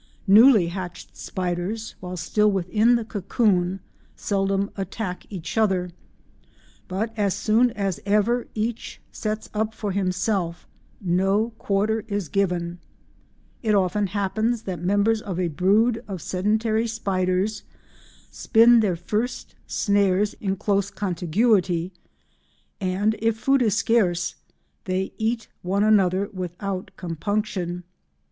Newly hatched spiders while still within the cocoon seldom attack each other, but as soon as ever each sets up for itself, no quarter is given. It often happens that members of a brood of sedentary spiders spin their first snares in close contiguity, and if food is scarce they eat one another without compunction.